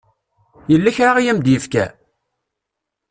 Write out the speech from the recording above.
Yella kra i am-d-yefka?